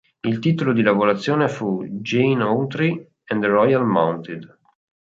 Il titolo di lavorazione fu "Gene Autry and the Royal Mounted".